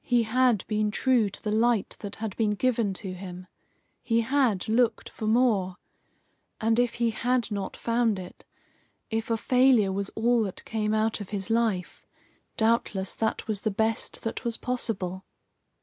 He had been true to the light that had been given to him. He had looked for more. And if he had not found it, if a failure was all that came out of his life, doubtless that was the best that was possible.